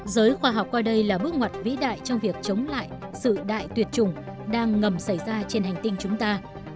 giới khoa học coi đây là bước ngoặt vĩ đại trong việc chống lại sự đại tuyệt chủng đang ngầm xảy ra trên hành tinh chúng ta